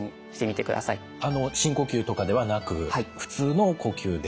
深呼吸とかではなく普通の呼吸で？